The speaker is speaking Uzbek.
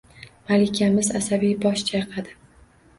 Malikamiz asabiy bosh chayqadi